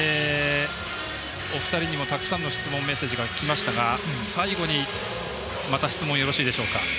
お二人にもたくさんの質問メッセージなどもきましたが最後に質問、よろしいでしょうか。